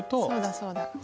そうだそうだ。